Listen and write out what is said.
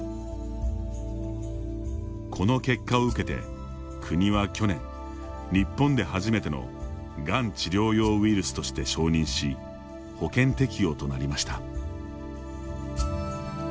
この結果を受けて、国は去年日本で初めてのがん治療用ウイルスとして承認し保険適用となりました。